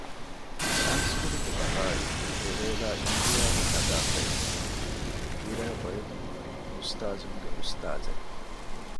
ސާންސުކުރިތުބަހާއި އެވޭލާ އިންޑިއާގެ ސަގާފަތް ގިރައިބޮއިގެން ހުރި އުސްތާޒުންގެ އުސްތާޒެއް